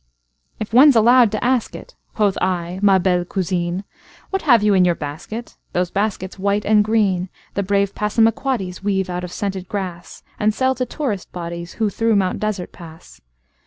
"If one's allowed to ask it,"Quoth I, "Ma belle cousine, What have you in your basket?"(Those baskets white and greenThe brave PassamaquoddiesWeave out of scented grass, And sell to tourist bodiesWho through Mt. Desert pass.)